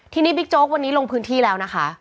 ทีนี้บิ๊กโจ๊กวันนี้ลงพื้นที่แล้วนะคะ